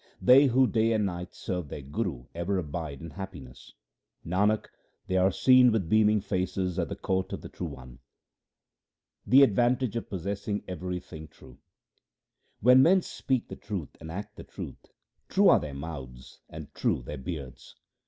They who day and night serve their Guru ever abide in happiness ; Nanak, they are seen with beaming faces at the court of the True One. The advantage of possessing everything true :— When men speak the truth and act the truth, true are their mouths and true their beards.